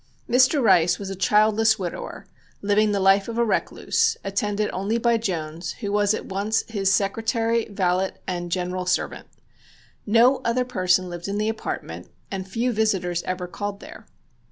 Mr. Rice was a childless widower, living the life of a recluse, attended only by Jones, who was at once his secretary, valet and general servant. No other person lived in the apartment, and few visitors ever called there.